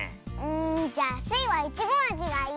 んじゃあスイはイチゴあじがいい！